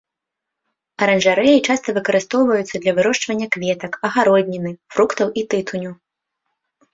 Аранжарэі часта выкарыстоўваюцца для вырошчвання кветак, агародніны, фруктаў і тытуню.